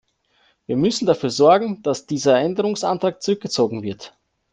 Wir müssen dafür sorgen, dass dieser Änderungsantrag zurückgezogen wird.